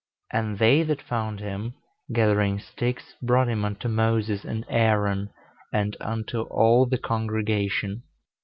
And they that found him gathering sticks brought him unto Moses and Aaron, and unto all the congregation.